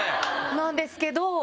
なんですけど。